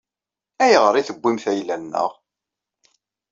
Ayɣer i tewwimt ayla-nneɣ?